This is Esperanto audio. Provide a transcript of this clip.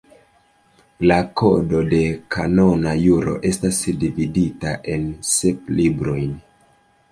La Kodo de Kanona Juro estas dividita en sep librojn.